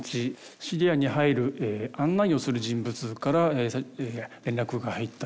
シリアに入る案内をする人物から連絡が入ったと。